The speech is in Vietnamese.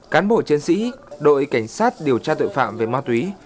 cán bộ chiến sĩ đội cảnh sát điều tra tội phạm về ma túy